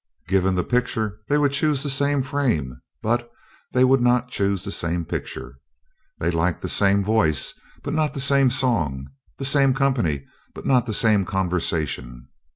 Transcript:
Given the picture, they would choose the same frame but they would not choose the same picture. They liked the same voice, but not the same song; the same company, but not the same conversation.